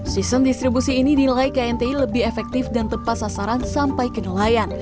sistem distribusi ini nilai knti lebih efektif dan tepat sasaran sampai ke nelayan